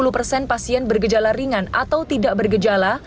dua puluh persen pasien bergejala ringan atau tidak bergejala